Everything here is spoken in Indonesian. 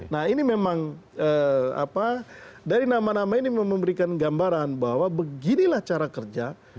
nah ini memang dari nama nama ini memberikan gambaran bahwa beginilah cara kerja